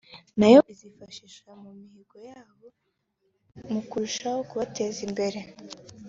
nayo izifashisha imihigo yabo mu kurusaho kubateza imbere